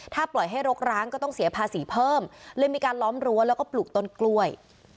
ถ้าปล่อยให้รกร้างก็ต้องเสียภาษีเพิ่มเลยมีการล้อมรั้วแล้วก็ปลูกต้นกล้วย